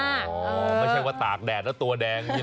อ๋อไม่ใช่ว่าตากแดดแล้วตัวแดงใช่ไหม